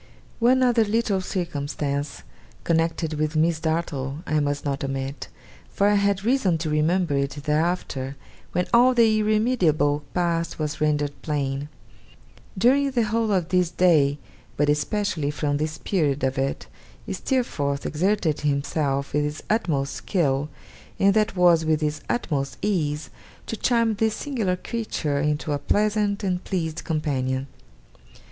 One other little circumstance connected with Miss Dartle I must not omit; for I had reason to remember it thereafter, when all the irremediable past was rendered plain. During the whole of this day, but especially from this period of it, Steerforth exerted himself with his utmost skill, and that was with his utmost ease, to charm this singular creature into a pleasant and pleased companion.